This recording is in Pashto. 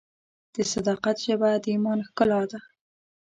د صداقت ژبه د ایمان ښکلا ده.